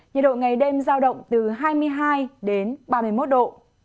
nhiệt độ ngày đêm giao động từ hai mươi hai đến ba mươi một độ